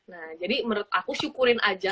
nah jadi menurut aku syukurin aja